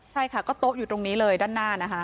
ใช่ค่ะก็โต๊ะอยู่ตรงนี้เลยด้านหน้านะคะ